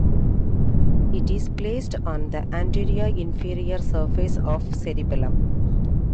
It is placed on the anteroinferior surface of cerebellum.